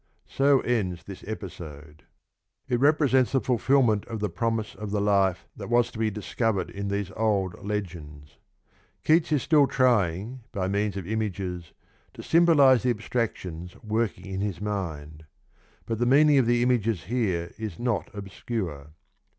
So ends this episode. It represents the fulfilment of the promise of the life that was to be discovered in these old legends. Keats is still trying by means of images " to symbolise the abstractions working in his mind,"' but the meaning of the images here is not obscure.